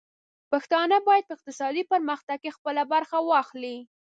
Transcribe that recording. پښتانه بايد په اقتصادي پرمختګ کې خپله برخه واخلي.